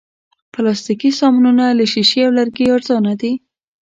پلاستيکي سامانونه له شیشې او لرګي ارزانه دي.